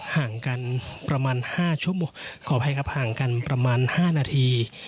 ห่างกันประมาณ๕ชั่วโมงขออภัยครับห่างกันประมาณ๕นาที